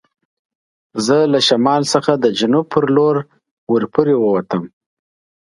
زه له شمال څخه د جنوب په لور ور پورې و وتم.